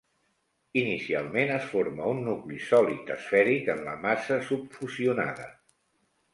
Inicialment, es forma un nucli sòlid esfèric en la massa subfusionada.